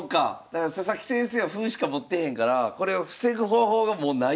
だから佐々木先生は歩しか持ってへんからこれを防ぐ方法がもうないという。